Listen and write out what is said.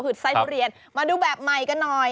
คือไส้ทุเรียนมาดูแบบใหม่กันหน่อย